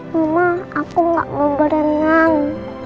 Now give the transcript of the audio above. mama aku gak mau berenang